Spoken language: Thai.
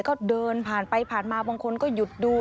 ก็เดินผ่านไปผ่านมาบางคนก็หยุดดู